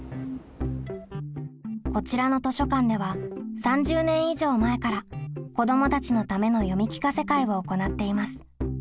こちらの図書館では３０年以上前から子どもたちのための読み聞かせ会を行っています。